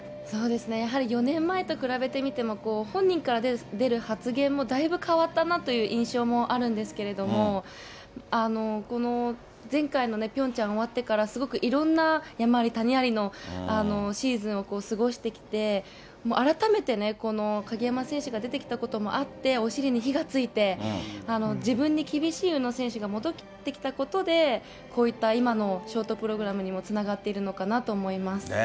そうですね、やはり４年前と比べてみても、本人から出る発言もだいぶ変わったなという印象もあるんですけれども、この前回のピョンチャン終わってから、すごくいろんな、山あり谷ありのシーズンを過ごしてきて、改めて、この鍵山選手が出てきたこともあって、お尻に火がついて、自分に厳しい宇野選手が戻ってきたことで、こういった今のショートプログラムにもつながっているのかなと思います。